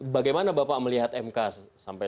bagaimana bapak melihat mk sampai